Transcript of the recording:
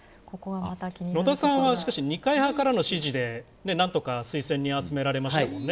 野田さんは二階派からの支持でなんとか推薦人を集められましたもんね。